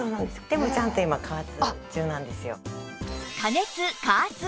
でもちゃんと今加圧中なんですよ。